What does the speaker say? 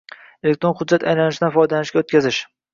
elektron hujjat aylanishidan foydalanishga o‘tkazish;